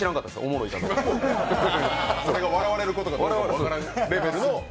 それが笑われることが分からんレベルの。